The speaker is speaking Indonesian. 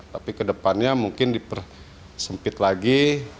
tapi ke depannya mungkin dipersempit lagi